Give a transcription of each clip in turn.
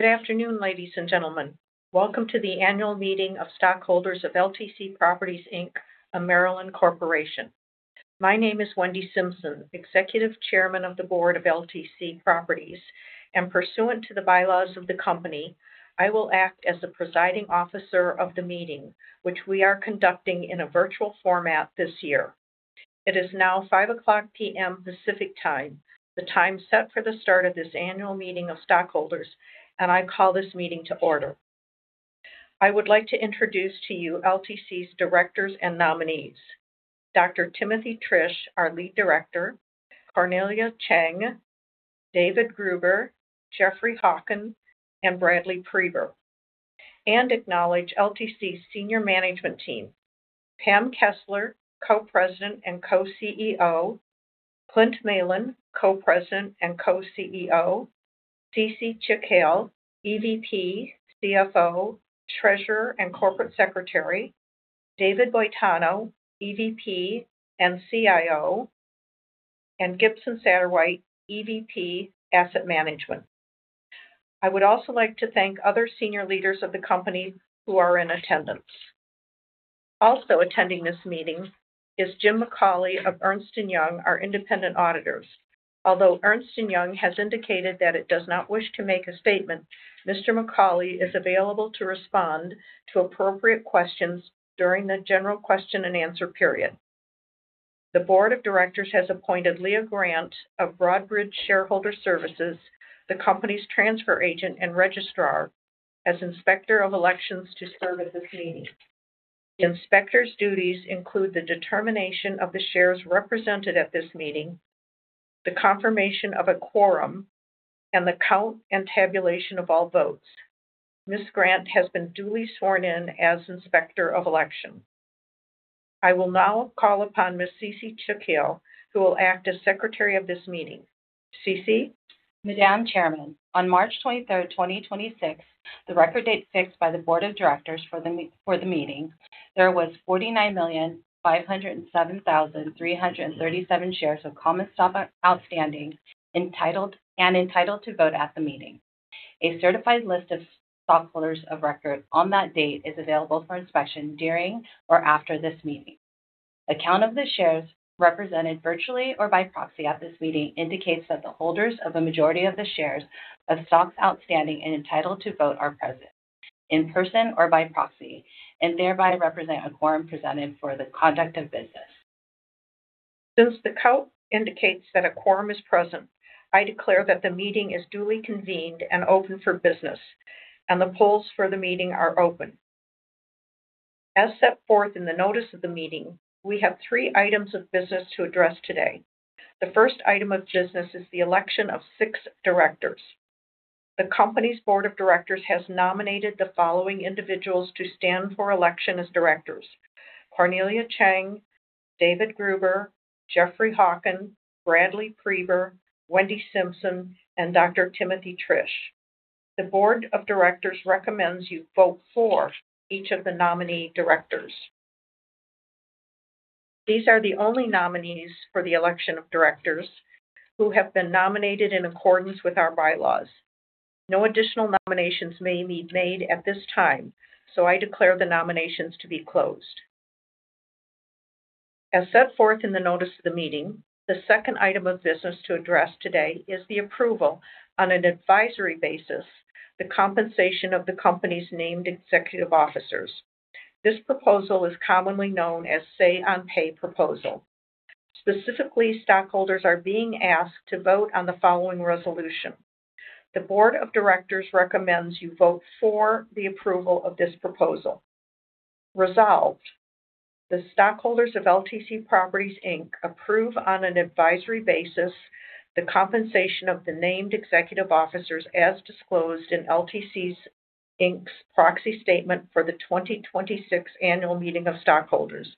Good afternoon, ladies and gentlemen. Welcome to the annual meeting of stockholders of LTC Properties, Inc., a Maryland corporation. My name is Wendy Simpson, Executive Chairman of the Board of LTC Properties, and pursuant to the bylaws of the company, I will act as the presiding officer of the meeting, which we are conducting in a virtual format this year. It is now 5:00 P.M. Pacific Time, the time set for the start of this annual meeting of stockholders, and I call this meeting to order. I would like to introduce to you LTC's directors and nominees, Dr. Timothy Triche, our Lead Director, Cornelia Cheng, David Gruber, Jeffrey Hawken, and Bradley J. Preber. Acknowledge LTC's senior management team, Pam Kessler, Co-President and Co-CEO, Clint Malin, Co-President and Co-CEO, Cece Chikhale, EVP, CFO, Treasurer, and Corporate Secretary, David Boitano, EVP and CIO, and Gibson Satterwhite, EVP, Asset Management. I would also like to thank other senior leaders of the company who are in attendance. Also attending this meeting is Jim McCauley of Ernst & Young, our independent auditors. Although Ernst & Young has indicated that it does not wish to make a statement, Mr. McCauley is available to respond to appropriate questions during the general question and answer period. The Board of Directors has appointed Leah Grant of Broadridge Shareholder Services, the company's transfer agent and registrar, as Inspector of Elections to serve at this meeting. The inspector's duties include the determination of the shares represented at this meeting, the confirmation of a quorum, and the count and tabulation of all votes. Ms. Grant has been duly sworn in as Inspector of Election. I will now call upon Ms. Cece Chikhale, who will act as Secretary of this meeting. Cece? Madam Chairman, on March 23rd, 2026, the record date fixed by the board of directors for the meeting, there was 49,507,337 shares of common stock outstanding and entitled to vote at the meeting. A certified list of stockholders of record on that date is available for inspection during or after this meeting. A count of the shares represented virtually or by proxy at this meeting indicates that the holders of a majority of the shares of stock outstanding and entitled to vote are present in person or by proxy, and thereby represent a quorum presented for the conduct of business. Since the count indicates that a quorum is present, I declare that the meeting is duly convened and open for business, and the polls for the meeting are open. As set forth in the notice of the meeting, we have three items of business to address today. The first item of business is the election of six directors. The company's Board of Directors has nominated the following individuals to stand for election as directors: Cornelia Cheng, David Gruber, Jeffrey Hawken, Bradley J. Preber, Wendy Simpson, and Dr. Timothy Triche. The Board of Directors recommends you vote for each of the nominee directors. These are the only nominees for the election of directors who have been nominated in accordance with our bylaws. No additional nominations may be made at this time, so I declare the nominations to be closed. As set forth in the notice of the meeting, the second item of business to address today is the approval on an advisory basis the compensation of the company's named executive officers. This proposal is commonly known as say-on-pay proposal. Specifically, stockholders are being asked to vote on the following resolution. The board of directors recommends you vote for the approval of this proposal. Resolved, the stockholders of LTC Properties, Inc. approve on an advisory basis the compensation of the named executive officers as disclosed in LTC Properties, Inc.'s proxy statement for the 2026 annual meeting of stockholders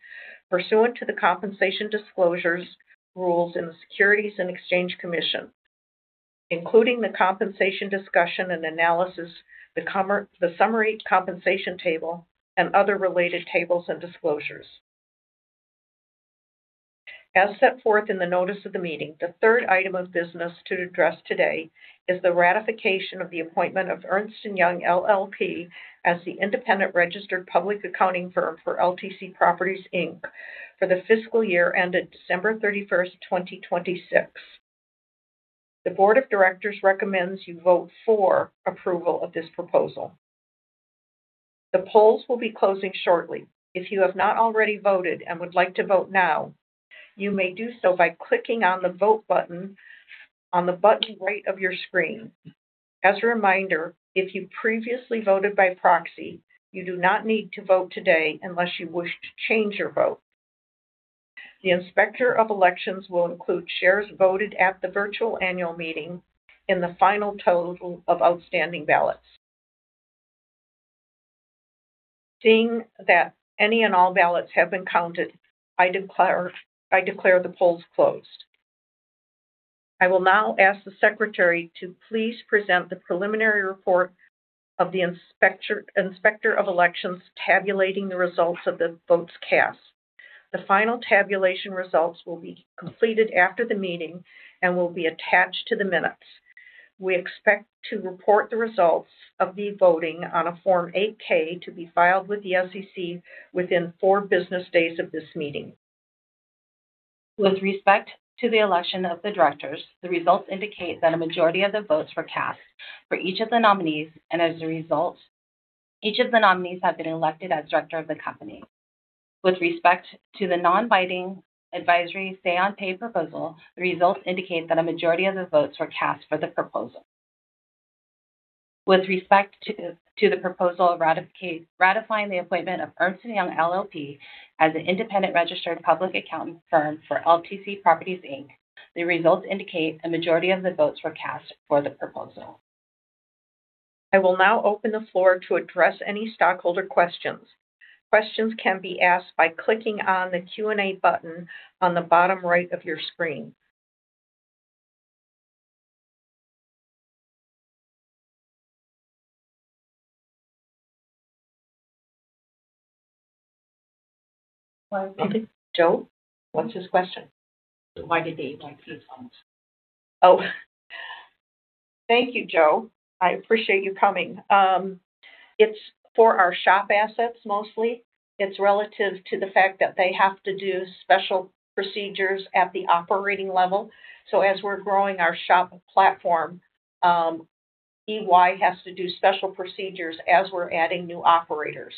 pursuant to the compensation disclosures rules in the Securities and Exchange Commission, including the compensation discussion and analysis, the summary compensation table, and other related tables and disclosures. As set forth in the notice of the meeting, the third item of business to address today is the ratification of the appointment of Ernst & Young LLP as the independent registered public accounting firm for LTC Properties, Inc. for the fiscal year ended December 31, 2026. The Board of Directors recommends you vote for approval of this proposal. The polls will be closing shortly. If you have not already voted and would like to vote now, you may do so by clicking on the vote button on the bottom right of your screen. As a reminder, if you previously voted by proxy, you do not need to vote today unless you wish to change your vote. The Inspector of Elections will include shares voted at the virtual annual meeting in the final total of outstanding ballots. Seeing that any and all ballots have been counted, I declare the polls closed. I will now ask the secretary to please present the preliminary report of the Inspector of Elections tabulating the results of the votes cast. The final tabulation results will be completed after the meeting and will be attached to the minutes. We expect to report the results of the voting on a Form 8-K to be filed with the SEC within four business days of this meeting. With respect to the election of the directors, the results indicate that a majority of the votes were cast for each of the nominees, and as a result, each of the nominees have been elected as director of the company. With respect to the non-binding advisory say-on-pay proposal, the results indicate that a majority of the votes were cast for the proposal. With respect to the proposal ratifying the appointment of Ernst & Young LLP as the independent registered public accountant firm for LTC Properties, Inc., the results indicate a majority of the votes were cast for the proposal. I will now open the floor to address any stockholder questions. Questions can be asked by clicking on the Q&A button on the bottom right of your screen. I think Joe. What's his question? Why did the EY fees rise? Oh. Thank you, Joe. I appreciate you coming. It's for our SHOP assets mostly. It's relative to the fact that they have to do special procedures at the operating level. As we're growing our SHOP platform, EY has to do special procedures as we're adding new operators.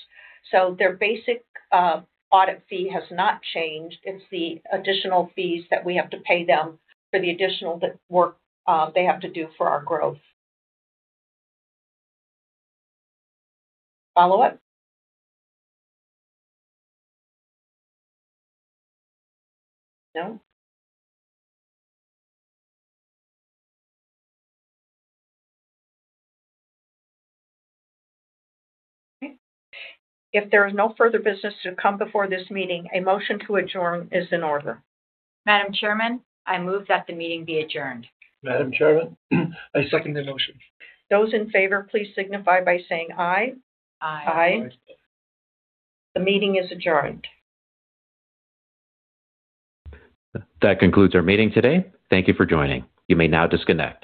Their basic audit fee has not changed. It's the additional fees that we have to pay them for the additional work they have to do for our growth. Follow-up? No? Okay. If there is no further business to come before this meeting, a motion to adjourn is in order. Madam Chairman, I move that the meeting be adjourned. Madam Chairman, I second the motion. Those in favor, please signify by saying aye. Aye. The meeting is adjourned. That concludes our meeting today. Thank you for joining. You may now disconnect.